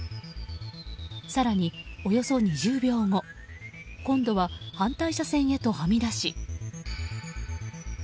更に、およそ２０秒後今後は反対車線へとはみ出し。